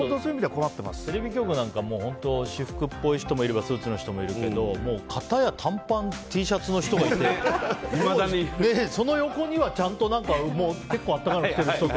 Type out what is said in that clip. テレビ局なんか私服っぽい人もいればスーツの人もいるけど片や短パン、Ｔシャツの人もいてその横にはちゃんと結構あったかいの着てる人も。